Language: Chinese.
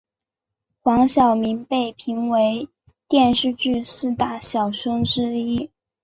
黄晓明被评为电视剧四大小生之一。